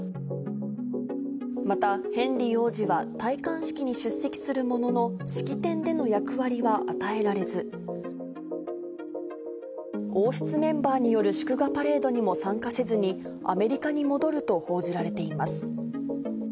また、ヘンリー王子は戴冠式に出席するものの、式典での役割は与えられず、王室メンバーによる祝賀パレードにも参加せずに、アメリカに戻ると報じられています。